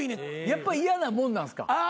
やっぱ嫌なもんなんすか？